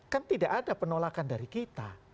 kan tidak ada penolakan dari kita